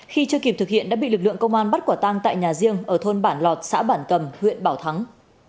khi chưa kịp thực hiện đã bị lực lượng công an bắt quả tang tại nhà riêng ở thôn bản lọt xã bản cầm huyện bảo thắng